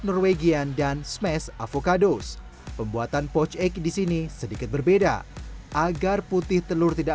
norwegian dan smash avocados pembuatan poch eke di sini sedikit berbeda agar putih telur tidak